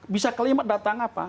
bisa kelima datang apa